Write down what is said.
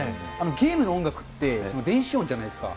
ゲームの音楽って電子音じゃないですか。